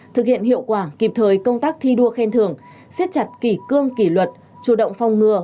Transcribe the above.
thực hiện hiệu quả kịp thời công tác thi đua khen thường siết chặt kỷ cương kỷ luật chủ động phòng ngừa